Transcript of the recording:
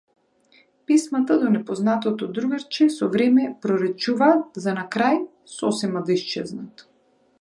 Писмата до непознатото другарче со време проретчуваат за на крај сосема да исчезнат.